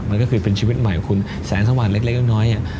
มันก็คือเป็นชีวิตใหม่ของคุณแสงสว่างเล็กน้อย